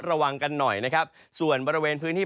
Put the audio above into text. ระวังกันหน่อยนะครับส่วนบริเวณพื้นที่